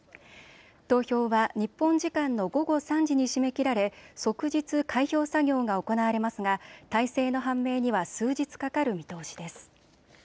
投票は日本時間の午後３時に締め切られ即日開票作業が行われますが大勢の判明には数日かかる見通しです。